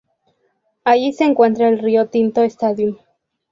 Allí se encuentra el Rio Tinto Stadium.